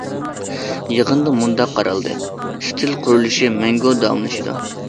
يىغىندا مۇنداق قارالدى: ئىستىل قۇرۇلۇشى مەڭگۈ داۋاملىشىدۇ.